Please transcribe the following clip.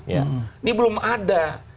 ini belum ada